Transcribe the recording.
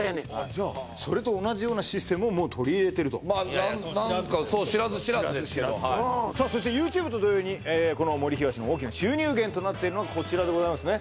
じゃあそれと同じようなシステムをもう取り入れてるとまあ何かそう知らず知らずですけどさあそしてＹｏｕＴｕｂｅと同様にこの森東の大きな収入源となっているのがこちらでございますね